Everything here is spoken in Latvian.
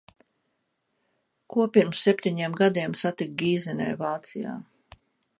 Ko pirms septiņiem gadiem satiku Gīzenē, Vācijā.